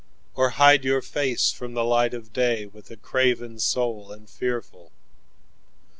3Or hide your face from the light of day4 With a craven soul and fearful?